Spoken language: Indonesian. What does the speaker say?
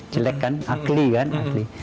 jelek kan agli kan ahli